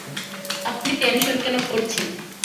আপনি টেনশন কেন করছেন।